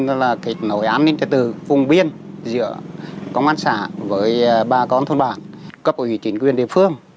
đó là kịch nội án những cái từ phùng biên giữa công an xã với ba con thôn bản cấp ủy chính quyền địa phương